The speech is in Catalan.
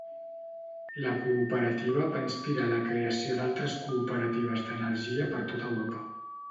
La cooperativa va inspirar a la creació d'altres cooperatives d'energia per tota Europa.